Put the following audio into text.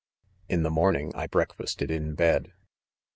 ■ fi In the morning I breakfasted in bed.